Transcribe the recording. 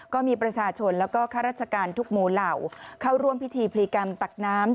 ก็มีประชาชนแล้วก็ข้าราชการทุกหมู่เหล่าเข้าร่วมพิธีพลีกรรมตักน้ำ